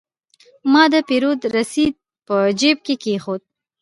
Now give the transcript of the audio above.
ما د پیرود رسید په جیب کې کېښود.